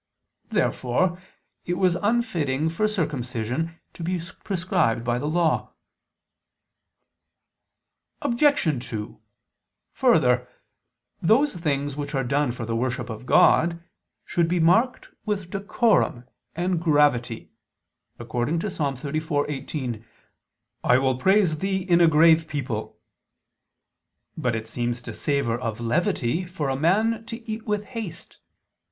Therefore it was unfitting for circumcision to be prescribed by the Law (Lev. 12:3). Obj. 2: Further, those things which are done for the worship of God should be marked with decorum and gravity; according to Ps. 34:18: "I will praise Thee in a grave [Douay: 'strong'] people." But it seems to savor of levity for a man to eat with haste.